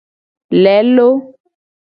Lelo.